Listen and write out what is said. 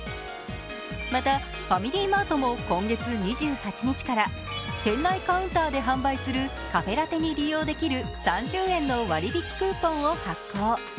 またファミリーマートも今月２８日から店内カウンターで販売するカフェラテに利用できる３０円の割引クーポンを発行。